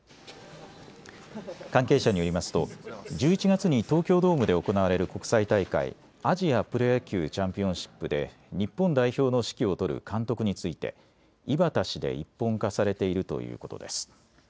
関係者によりますと１１月に東京ドームで行われる国際大会、アジアプロ野球チャンピオンシップで日本代表の指揮を執る監督について井端氏で一本化されているということです。